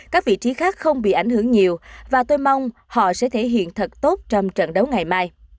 các vị trí khác không bị ảnh hưởng nhiều và tôi mong họ sẽ thể hiện thật tốt trong trận đấu ngày mai